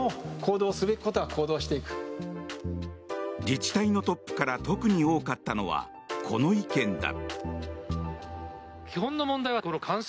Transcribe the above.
自治体のトップから特に多かったのは、この意見だ。